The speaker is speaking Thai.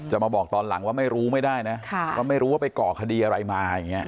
มาบอกตอนหลังว่าไม่รู้ไม่ได้นะก็ไม่รู้ว่าไปก่อคดีอะไรมาอย่างนี้